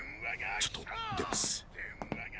ちょっと出ます。